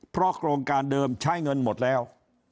เพราะโครงการเดิมใช้เงินหมดแล้ว